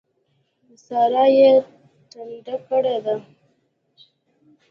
سارا يې ټنډه کړې ده.